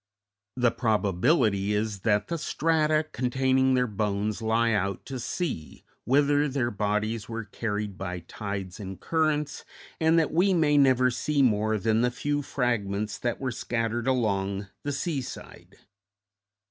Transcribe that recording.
The probability is that the strata containing their bones lie out to sea, whither their bodies were carried by tides and currents, and that we may never see more than the few fragments that were scattered along the seaside.